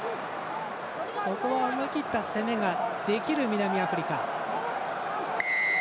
ここは思い切った攻めができる南アフリカ。